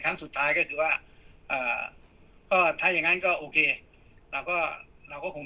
ครั้งสุดท้ายก็คือว่าก็ถ้าอย่างงั้นก็โอเคเราก็เราก็คง